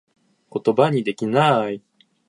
ことばにできなぁい